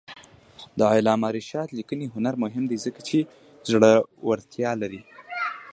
د علامه رشاد لیکنی هنر مهم دی ځکه چې زړورتیا لري.